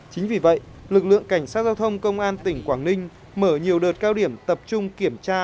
chính vì vậy lực lượng cảnh sát giao thông công an tỉnh quảng ninh mở nhiều đợt cao điểm tập trung kiểm tra